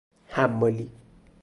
حمالی